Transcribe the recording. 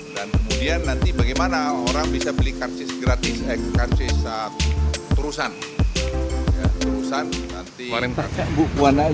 dan kemudian nanti bagaimana orang bisa beli karcis gratis karcis terusan